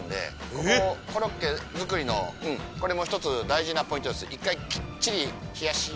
ここコロッケ作りのこれも１つ大事なポイントです。